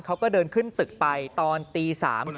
เขาก็เดินขึ้นตึกไปตอนตี๓๒